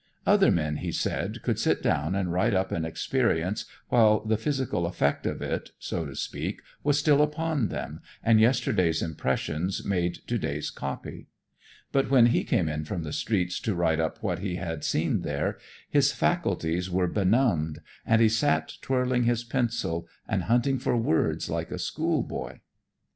Other men, he said, could sit down and write up an experience while the physical effect of it, so to speak, was still upon them, and yesterday's impressions made to day's "copy." But when he came in from the streets to write up what he had seen there, his faculties were benumbed, and he sat twirling his pencil and hunting for words like a schoolboy.